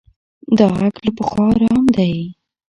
دا غږ له پخوا ارام دی.